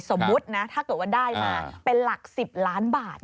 สมมุตินะถ้าเกิดว่าได้มาเป็นหลัก๑๐ล้านบาท